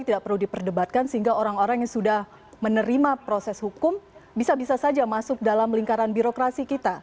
tidak perlu diperdebatkan sehingga orang orang yang sudah menerima proses hukum bisa bisa saja masuk dalam lingkaran birokrasi kita